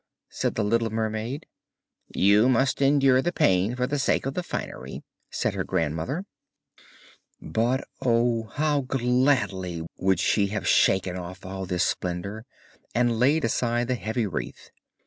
said the little mermaid. 'You must endure the pain for the sake of the finery!' said her grandmother. But oh! how gladly would she have shaken off all this splendour, and laid aside the heavy wreath.